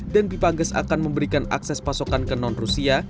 dan pipa gas akan memberikan akses pasokan ke non rusia